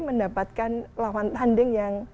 mendapatkan lawan tanding yang